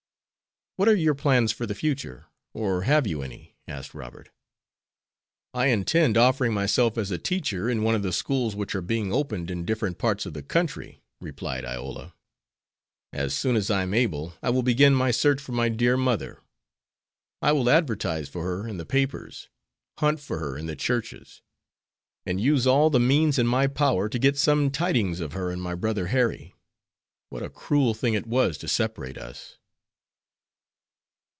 "What are your plans for the future, or have you any?" asked Robert. "I intend offering myself as a teacher in one of the schools which are being opened in different parts of the country," replied Iola. "As soon as I am able I will begin my search for my dear mother. I will advertise for her in the papers, hunt for her in the churches, and use all the means in my power to get some tidings of her and my brother Harry. What a cruel thing it was to separate us!"